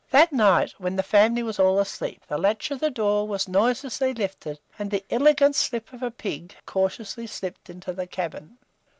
That night, when the family was all asleep, the latch of the door was noiselessly lifted, and the "illegant slip of a pig" cautiously slipped into the cabin.